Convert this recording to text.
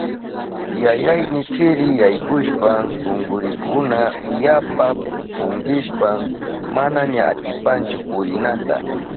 Yayayni chiri yaykushpan kunkurinkuna yapa punkishpan manaña atipanchu purinata.